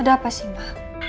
ada apa sih ma